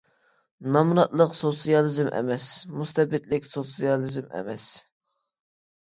نامراتلىق سوتسىيالىزم ئەمەس، مۇستەبىتلىك سوتسىيالىزم ئەمەس.